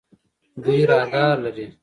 دوی رادار لري.